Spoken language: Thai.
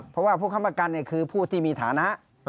เพราะว่าผู้ค้ำประกันคือผู้ที่มีฐานะ